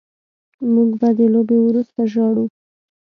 موږ به د لوبې وروسته ژاړو